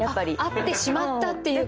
会ってしまったっていう顔？